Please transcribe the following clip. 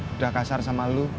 udah kasar sama kamu